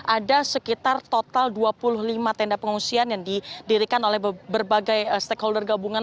ada sekitar total dua puluh lima tenda pengungsian yang didirikan oleh berbagai stakeholder gabungan